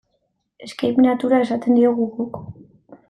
Escape-natura esaten diogu guk.